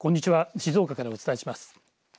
静岡からお伝えします。